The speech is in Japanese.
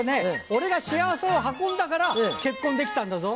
俺が幸せを運んだから結婚できたんだぞ。